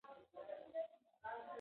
امنیت د خدمتونو لاسرسی اسانه کوي.